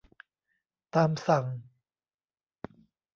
ตามสั่ง